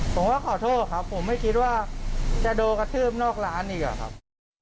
ผมก็ขอโทษครับผมไม่คิดว่าจะโดนกระทืบนอกร้านอีกอะครับ